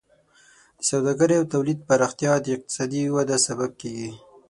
د سوداګرۍ او تولید پراختیا د اقتصادي وده سبب کیږي.